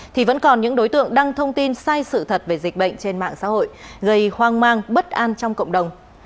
thì vẫn còn những đối tượng đăng thông tin sai sự thật về dịch bệnh trên mạng xã hội gây hoang mang bất an trong cộng đồng